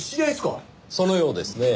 そのようですねぇ。